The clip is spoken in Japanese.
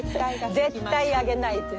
絶対あげないって。